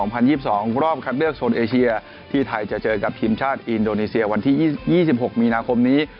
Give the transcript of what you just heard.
รอบ๒รอบคัดเลือกโซนเอเชียที่ไทยจะเจอกับทีมชาติอินโดนีเซียวันที่๒๖มีนาคมนี้